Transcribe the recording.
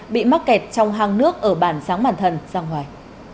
bị mắc kẹt trong hang nước ở bản sáng mản thần sang ngoài